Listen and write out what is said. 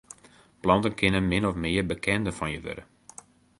Planten kinne min of mear bekenden fan je wurde.